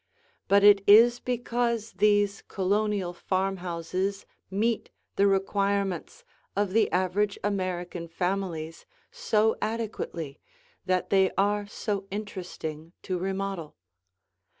But it is because these Colonial farmhouses meet the requirements of the average American families so adequately that they are so interesting to remodel.